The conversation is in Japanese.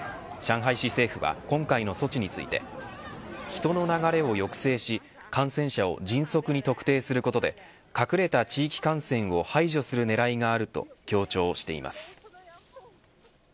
上海市政府は今回の措置について人の流れを抑制し感染者を迅速に特定することで隠れた地域感染を排除する狙いがあると強調しています。